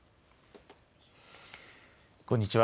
こんにちは。